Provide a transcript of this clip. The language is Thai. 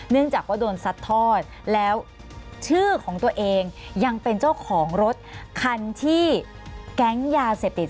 จากว่าโดนซัดทอดแล้วชื่อของตัวเองยังเป็นเจ้าของรถคันที่แก๊งยาเสพติด